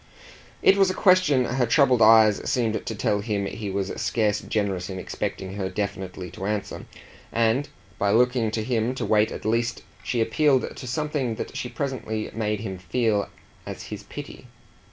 It was a question her troubled eyes seemed to tell him he was scarce generous in expecting her definitely to answer, and by looking to him to wait at least she appealed to something that she presently made him feel as his pity.